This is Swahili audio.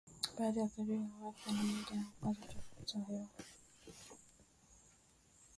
Baadhi ya athari za kiafya za moja kwa moja za uchafuzi wa hewa